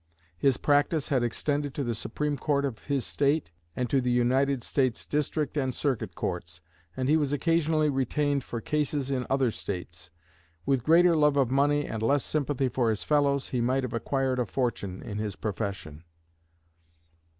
His practice had extended to the Supreme Court of his State and to the United States District and Circuit Courts, and he was occasionally retained for cases in other States. With greater love of money and less sympathy for his fellows, he might have acquired a fortune in his profession.